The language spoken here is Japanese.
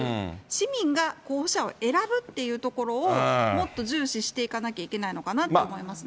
市民が候補者を選ぶというところを、もっと重視していかなきゃいけないのかなと思いますね。